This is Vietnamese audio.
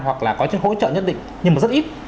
hoặc là có những hỗ trợ nhất định nhưng mà rất ít